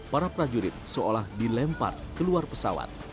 para prajurit seolah dilempar keluar pesawat